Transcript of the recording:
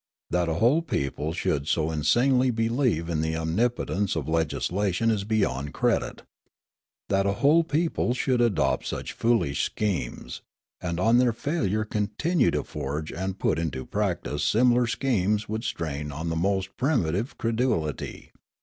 That a whole people should so insanely believe in the omnipotence of legislation is beyond credit. That a whole people should adopt such foolish schemes, and on their failure continue to forge and put into practice similar schemes would strain the most primitive cred ulity.